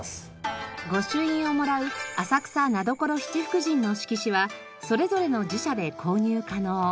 御朱印をもらう浅草名所七福神の色紙はそれぞれの寺社で購入可能。